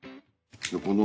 この。